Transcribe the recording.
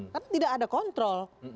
kan tidak ada kontrol